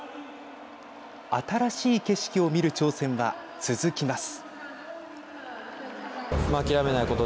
新しい景色を見る挑戦は続きます。